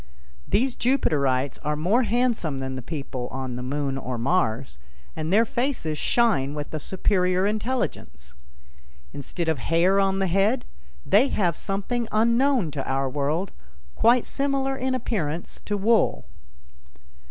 These Jupiterites are more handsome than the people on the Moon or Mars, and their faces shine with a superior intelligence. Instead of hair on the head, they have something unknown to our world, quite similar in appearance to wool.